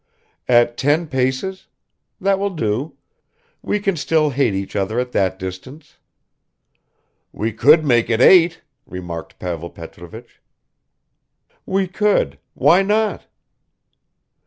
." "At ten paces? That will do; we can still hate each other at that distance." "We could make it eight," remarked Pavel Petrovich. "We could; why not?"